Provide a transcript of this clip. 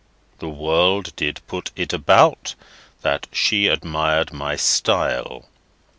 The world did put it about, that she admired my style.